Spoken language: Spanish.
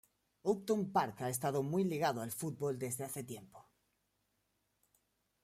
Upton Park ha estado muy ligado al fútbol desde hace tiempo.